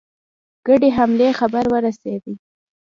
ګډې حملې خبر ورسېدی.